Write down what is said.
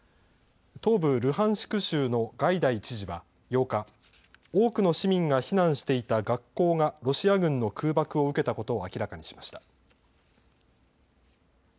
東部ルハンシク州のガイダイ知事は８日、多くの市民が避難していた学校がロシア軍の空爆を受けたことを明らかにしました。